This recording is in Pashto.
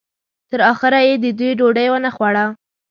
تر اخره یې د دوی ډوډۍ ونه خوړه.